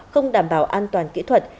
không đảm bảo an toàn kỹ thuật